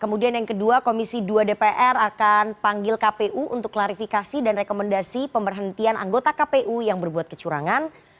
kemudian yang kedua komisi dua dpr akan panggil kpu untuk klarifikasi dan rekomendasi pemberhentian anggota kpu yang berbuat kecurangan